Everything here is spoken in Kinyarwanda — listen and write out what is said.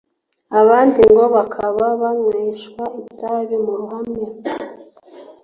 abandi ngo bakaba banyweshwa itabi mu ruhame